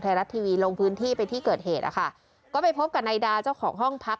ไทยรัฐทีวีลงพื้นที่ไปที่เกิดเหตุนะคะก็ไปพบกับนายดาเจ้าของห้องพัก